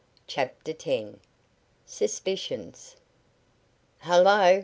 CHAPTER X SUSPICIONS "Hello!"